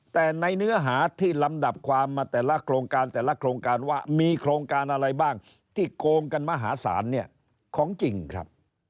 แต่ในเนื้อหาที่ลำดับความมาแต่ละโครงการแต่ละโครงการว่ามีโครงการอะไรบ้างที่โกงกันมหาศาลเนี่ยของจริงครับ